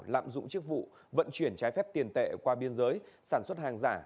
lạm dụng chức vụ vận chuyển trái phép tiền tệ qua biên giới sản xuất hàng giả